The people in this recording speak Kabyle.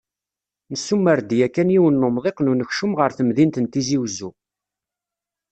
nesumer-d yakan yiwen n umḍiq n unekcum ɣar temdint n Tizi Uzzu.